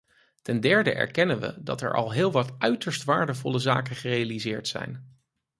Ten derde erkennen we dat er al heel wat uiterst waardevolle zaken gerealiseerd zijn.